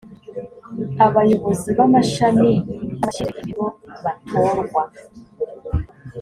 abayobozi b amashami n abashinzwe ibigo batorwa